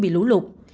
bị lũ lụt